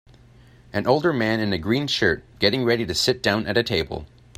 An older man in a green shirt, getting ready to sit down at a table.